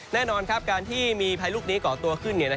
แน่นอนครับการที่มีพายลูกนี้กอตเตอร์ขึ้น